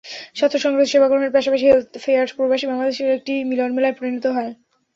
স্বাস্থ্যসংক্রান্ত সেবা গ্রহণের পাশাপাশি হেলথ ফেয়ার প্রবাসী বাংলাদেশিদের একটি মিলনমেলায় পরিণত হয়।